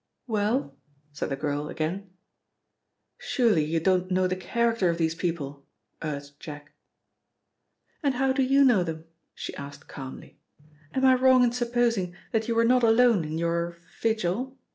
"Well?" said the girl again. "Surely you don't know the character of these people?" urged Jack. "And how do you know them?" she asked calmly. "Am I wrong in supposing that you were not alone in your vigil?